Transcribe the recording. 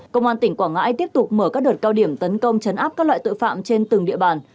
công an tỉnh quảng ngãi tiếp tục mở các đợt cao điểm tấn công chấn áp các loại tội phạm trên từng địa bàn